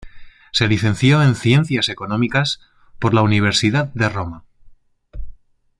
Se licenció en Ciencias Económicas por la Universidad de Roma.